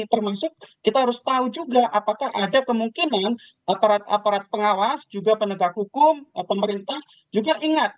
termasuk kita harus tahu juga apakah ada kemungkinan aparat aparat pengawas juga penegak hukum pemerintah juga ingat